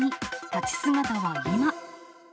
立ち姿は今。